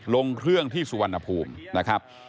ลงเครื่องที่สุวรรณภูมินะครับ